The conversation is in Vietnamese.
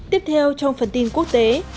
tiếp theo trong phần tin quốc tế